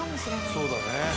そうだね。